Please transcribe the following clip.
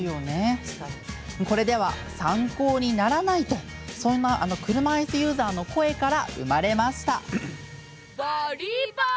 これでは参考にならないと車いすユーザーの声から生まれました。